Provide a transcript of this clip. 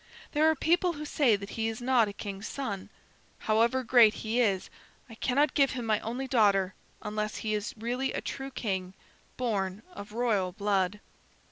There are people who say that he is not a king's son. However great he is, I cannot give him my only daughter unless he is really a true king, born of royal blood."